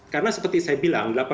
karena seperti saya bilang